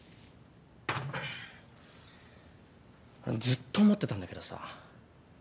ずっと思ってたんだけどさ